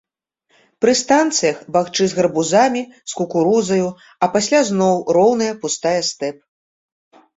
Пры станцыях бахчы з гарбузамі, з кукурузаю, а пасля зноў роўная, пустая стэп.